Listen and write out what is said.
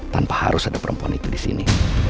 tanpa harus ada perempuan itu disini